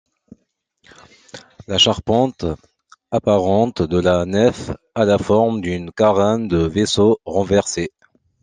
La charpente apparente de la nef à la forme d'une carène de vaisseau renversé.